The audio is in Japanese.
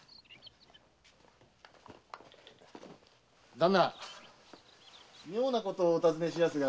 旦那妙なことをお尋ねしますが。